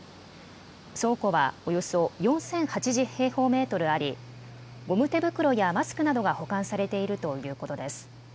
倉庫はおよそ４０８０平方メートルありゴム手袋やマスクなどが保管されているということです。